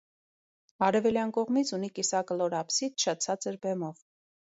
Արևելյան կողմից ունի կիսակլոր աբսիդ՝ շատ ցածր բեմով։